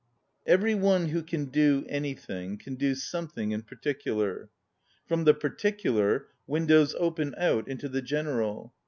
Every one who can do anything, can do something in particular. From the particular, windows open out into the general.